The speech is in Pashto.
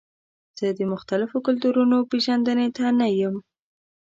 زه د مختلفو کلتورونو پیژندنې ته نه یم.